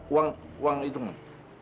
uang uang itu mau